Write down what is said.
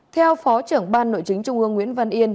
theo phó trưởng ban nội chính trung ương nguyễn văn yên